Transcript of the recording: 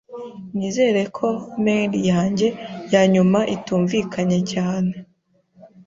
Nizere ko mail yanjye yanyuma itumvikanye cyane.